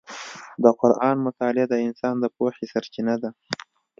د قرآن مطالعه د انسان د پوهې سرچینه ده.